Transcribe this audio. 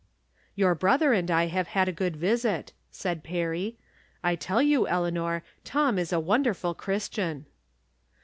" Your brother and I have had a good visit," said Perry. " I tell you, Eleanor, Tom is a won derful Christian."